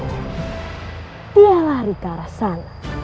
dia lari ke arah sana